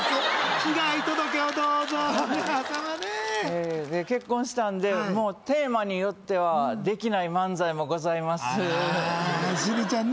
被害届をどうぞ皆様ね結婚したんでもうテーマによってはできない漫才もございますあらあしずちゃんね